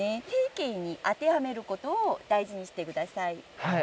定型に当てはめることを大事にして下さい。